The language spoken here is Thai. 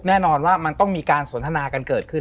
แน่นอนว่ามันต้องมีการสนทนากันเกิดขึ้น